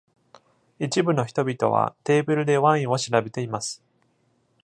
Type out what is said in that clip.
一部の人々はテーブルでワインを調べています。